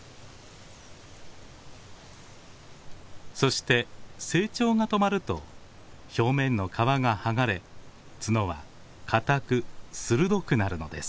そして成長が止まると表面の皮が剥がれ角は固く鋭くなるのです。